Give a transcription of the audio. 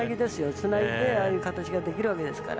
つなぎで、ああいう形ができるわけですから。